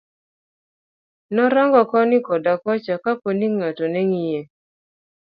Norang'o koni koda kocha kaponi ngato neng'iye.